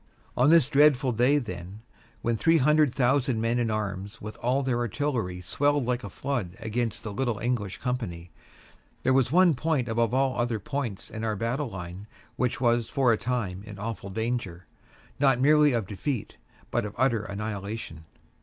On this dreadful day, then, when three hundred thousand men in arms with all their artillery swelled like a flood against the little English company, there was one point above all other points in our battle line that was for a time in awful danger, not merely of defeat, but of utter annihilation.